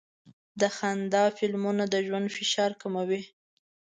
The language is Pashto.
د خندا فلمونه د ژوند فشار کموي.